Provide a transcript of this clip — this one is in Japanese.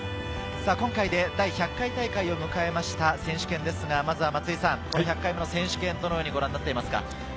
今回で第１００回大会を迎えました選手権ですが、まずは１００回目の選手権、どのようにご覧になっていますか？